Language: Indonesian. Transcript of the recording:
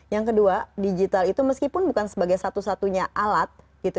yang kedua digital itu meskipun bukan satu satunya alat gitu ya atau obat sorry obat untuk